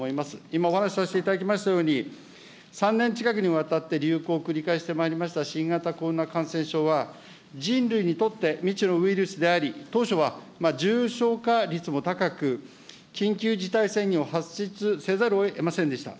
今、お話させていただきましたように、３年近くにわたって流行を繰り返してまいりました新型コロナ感染症は、人類にとって未知のウイルスであり、当初は重症化率も高く、緊急事態宣言を発出せざるをえませんでした。